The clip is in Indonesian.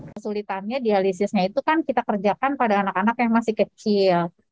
kesulitannya dialisisnya itu kan kita kerjakan pada anak anak yang masih kecil